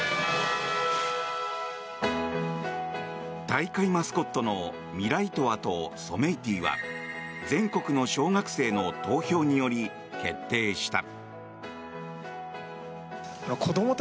大会マスコットのミライトワとソメイティは全国の小学生の投票により決定した。